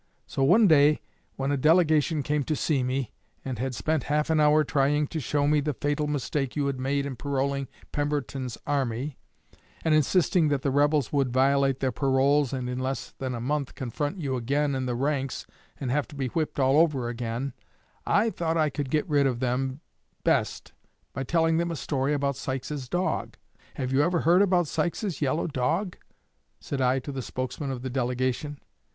So one day, when a delegation came to see me, and had spent half an hour trying to show me the fatal mistake you had made in paroling Pemberton's army, and insisting that the rebels would violate their paroles and in less than a month confront you again in the ranks and have to be whipped all over again, I thought I could get rid of them best by telling them a story about Sykes's dog. 'Have you ever heard about Sykes's yellow dog?' said I to the spokesman of the delegation.